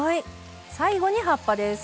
最後に葉っぱです。